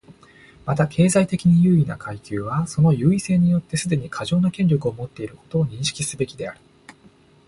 また、経済的に優位な階級はその優位性によってすでに過剰な権力を持っていることを認識すべきである。